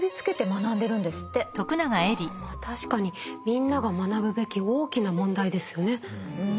まあ確かにみんなが学ぶべき大きな問題ですよね。